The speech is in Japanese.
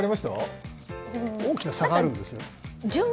大きな差があるんです。